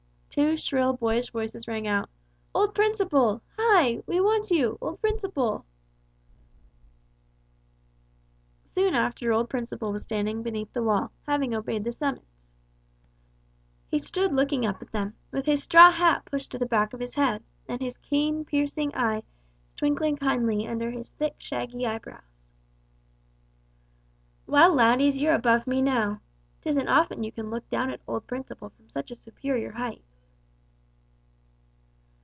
Two shrill boyish voices rang out, "Old Principle! Hi! We want you! Old Principle!" Soon after old Principle was standing beneath the wall, having obeyed the summons. He stood looking up at them with his straw hat pushed to the back of his head, and his keen, piercing eyes twinkling kindly under his thick, shaggy eyebrows. "Well, laddies, you're above me now. 'Tisn't often you can look down at old Principle from such a superior height."